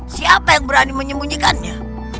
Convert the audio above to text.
siapa yang berani menyembunyikannya